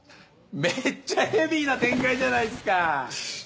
めっちゃヘビーな展開じゃないですか。